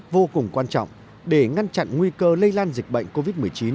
vô cùng quan trọng để ngăn chặn nguy cơ lây lan dịch bệnh covid một mươi chín